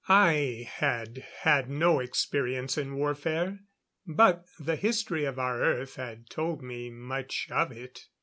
I had had no experience in warfare; but the history of our Earth had told me much of it.